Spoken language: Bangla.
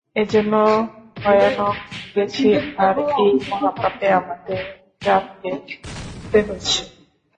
এজন্য ভয়ানক ভুগেছি, আর এই মহাপাপে আমাদের জাতকে ভুগতে হচ্ছে।